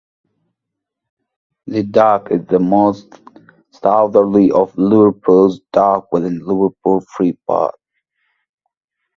The dock is the most southerly of Liverpool's docks within Liverpool Freeport.